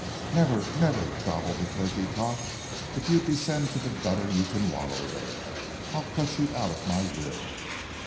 "Never! never!" gobbled the turkey cock. "If you descend to the gutter you can wallow there. I'll cut you out of my will."